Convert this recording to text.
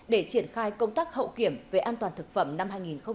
để triển khai công tác hậu kiểm về an toàn thực phẩm năm hai nghìn hai mươi